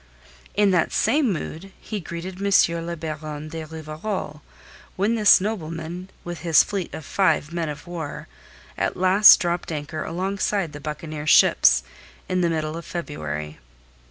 In that same mood he greeted M. le Baron de Rivarol when this nobleman with his fleet of five men of war at last dropped anchor alongside the buccaneer ships, in the middle of February.